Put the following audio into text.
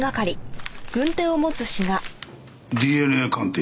ＤＮＡ鑑定。